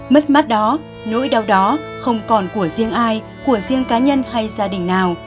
mất mắt đó nỗi đau đó không còn của riêng ai của riêng cá nhân hay gia đình nào